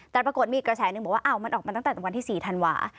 แต่ปรากฏมีอีกกระแสหนึ่งบอกว่าอ้าวมันออกมาตั้งแต่วันที่๔ธันวา